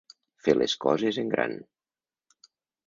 Fer les coses en gran.